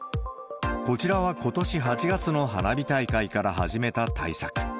こちらはことし８月の花火大会から始めた対策。